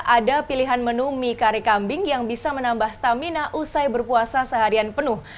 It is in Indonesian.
ada pilihan menu mie kari kambing yang bisa menambah stamina usai berpuasa seharian penuh